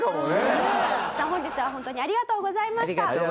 さあ本日はホントにありがとうございました。